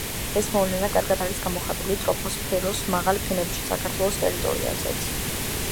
ეს მოვლენა კარგად არის გამოხატული ტროპოსფეროს მაღალ ფენებში საქართველოს ტერიტორიაზეც.